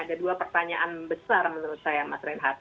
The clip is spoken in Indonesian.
ada dua pertanyaan besar menurut saya mas reinhardt